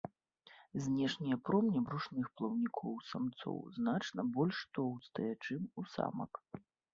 Знешнія промні брушных плаўнікоў самцоў значна больш тоўстыя, чым у самак.